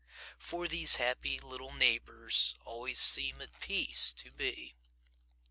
For these happy little neighbors Always seem at peace to be.